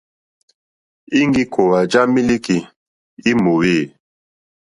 Íŋɡí kòòwà já mílíkì í mòòwê.